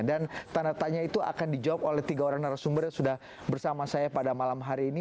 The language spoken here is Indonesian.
dan tanda tanya itu akan dijawab oleh tiga orang narasumber yang sudah bersama saya pada malam hari ini